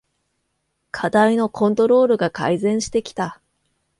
課題のコントロールが改善してきた